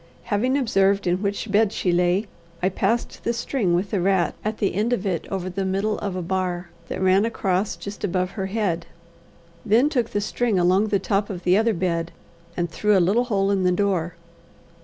Having observed in which bed she lay, I passed the string with the rat at the end of it over the middle of a bar that ran across just above her head, then took the string along the top of the other bed, and through a little hole in the door.